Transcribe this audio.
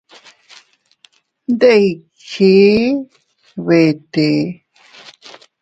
Ndikchi vetee.